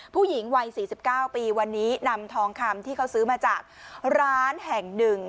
ผู้หญิงวัย๔๙ปีวันนี้นำทองคำที่เขาซื้อมาจากร้านแห่งหนึ่ง